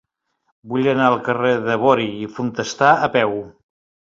Vull anar al carrer de Bori i Fontestà a peu.